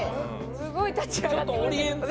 すごい立ち上がって。